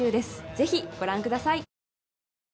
ぜひご覧ください